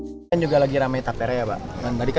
ini kan juga lagi rame tapernya ya pak